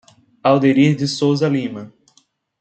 Alderir de Souza Lima